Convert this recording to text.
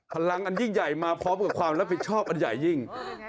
พลังอันยิ่งใหญ่มาพร้อมกับความรับผิดชอบอันใหญ่ยิ่ง